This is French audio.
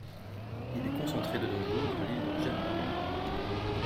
Il est concentré de nos jours dans l'île de Djerba.